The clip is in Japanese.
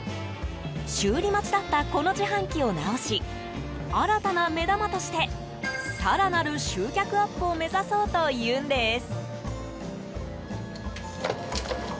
修理待ちだったこの自販機を直し新たな目玉として更なる集客アップを目指そうというんです。